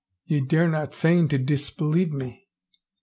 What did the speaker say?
Ye dare not feign to disbe lieve me."